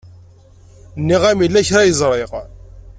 Nniɣ-am yella kra ay ẓriɣ.